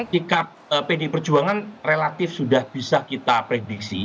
sikap pdi perjuangan relatif sudah bisa kita prediksi